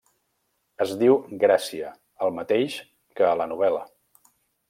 -Es diu Gràcia, el mateix que a la novel·la.